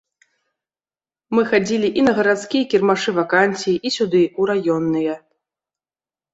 Мы хадзілі і на гарадскія кірмашы вакансій, і сюды, у раённыя.